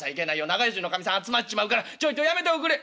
長屋中のかみさん集まっちまうからちょいとやめておくれ」。